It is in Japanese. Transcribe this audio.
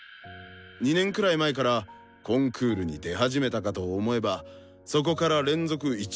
２年くらい前からコンクールに出始めたかと思えばそこから連続１位入賞。